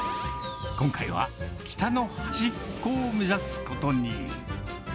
今回は、北の端っこを目指すことに。